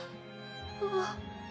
あっ。